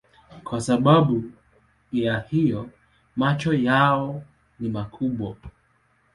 Kwa sababu ya hiyo macho yao ni makubwa.